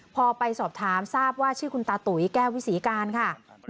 พอไปสอบถามทราบว่าชื่อคุณตาตุ๋ยแก้ววิศีการค่ะ